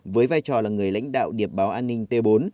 với vai trò là người lãnh đạo điệp báo an ninh t bốn